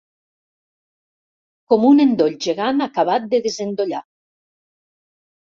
Com un endoll gegant acabat de desendollar.